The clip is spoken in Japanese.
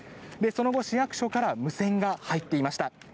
その後、市役所から無線が入っていました。